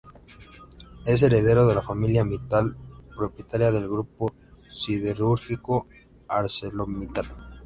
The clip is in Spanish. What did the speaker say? Es heredero de la familia Mittal, propietaria del grupo siderúrgico ArcelorMittal.